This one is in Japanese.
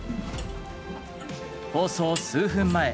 放送数分前。